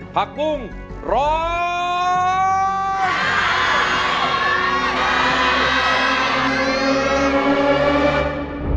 ผักปุ้งร้อง